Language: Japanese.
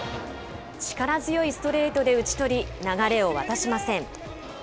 力強いストレートで打ち取り、流れを渡しません。